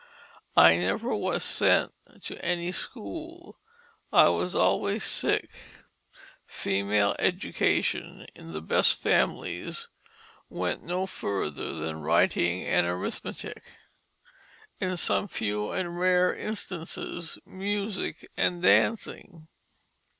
I never was sent to any school. I was always sick. Female education, in the best families, went no further than writing and arithmetic; in some few and rare instances music and dancing."